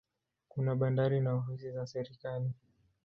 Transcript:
Kuna bandari na ofisi za serikali.